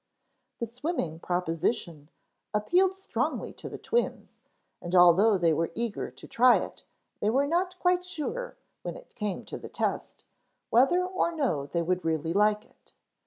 The swimming proposition appealed strongly to the twins, and although they were eager to try it they were not quite sure, when it came to the test, whether or no they would really like it.